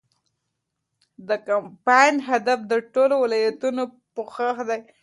د کمپاین هدف د ټولو ولایتونو پوښښ دی.